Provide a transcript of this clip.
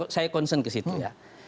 saya concern ke situ ya